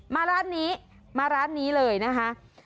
มาร้านนี้มาร้านนี้เลยนะคะ